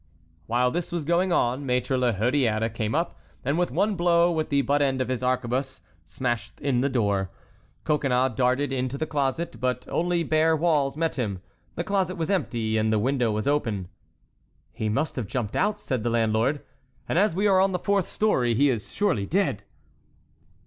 While this was going on, Maître la Hurière came up and with one blow with the butt end of his arquebuse smashed in the door. Coconnas darted into the closet, but only bare walls met him. The closet was empty and the window was open. "He must have jumped out," said the landlord, "and as we are on the fourth story, he is surely dead."